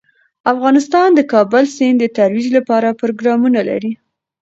افغانستان د کابل سیند د ترویج لپاره پروګرامونه لري.